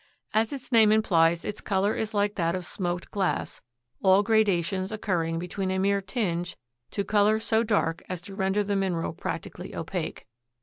As its name implies, its color is like that of smoked glass, all gradations occurring between a mere tinge to color so dark as to render the mineral practically opaque.